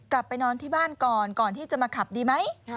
กลับไปนอนที่บ้านก่อนก่อนที่จะมาขับดีไหม